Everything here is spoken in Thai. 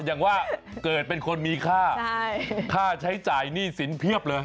อย่างว่าเกิดเป็นคนมีค่าค่าใช้จ่ายหนี้สินเพียบเลย